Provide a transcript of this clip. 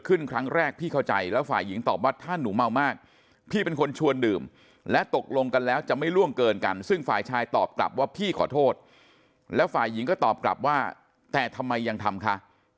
ครั้งแรกพี่เข้าใจแล้วฝ่ายหญิงตอบว่าถ้าหนูเมามากพี่เป็นคนชวนดื่มและตกลงกันแล้วจะไม่ล่วงเกินกันซึ่งฝ่ายชายตอบกลับว่าพี่ขอโทษแล้วฝ่ายหญิงก็ตอบกลับว่าแต่ทำไมยังทำคะ